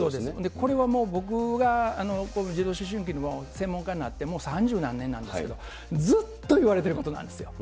これはもう、僕が児童思春期の専門家になってもう三十何年になるんですけれども、ずっと言われてることなんですよ。